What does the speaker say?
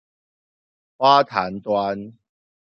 花壇端